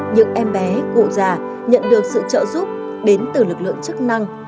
những em bé cụ già nhận được sự trợ giúp đến từ lực lượng chức năng